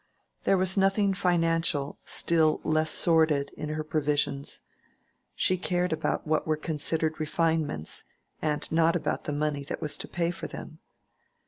There was nothing financial, still less sordid, in her previsions: she cared about what were considered refinements, and not about the money that was to pay for them.